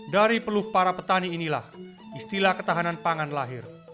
dari peluh para petani inilah istilah ketahanan pangan lahir